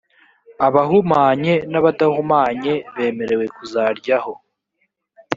abahumanye n’abadahumanye bemerewe kuzaryaho,